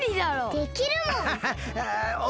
できるもん！